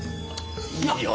いいよ